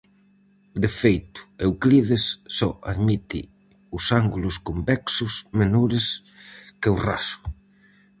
De feito Euclides só admite os ángulos convexos, menores que o raso.